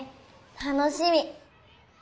楽しみ！